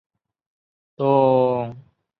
由丁谨接任知县。